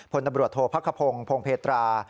พลตำรวจโทษพักขพงศ์พงเพตรา